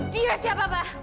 dia siapa papa